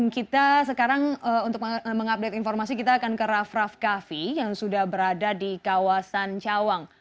kita sekarang untuk mengupdate informasi kita akan ke raff raff kaffi yang sudah berada di kawasan cawang